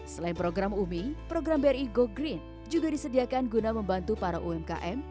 selain program umi program bri go green juga disediakan guna membantu para umkm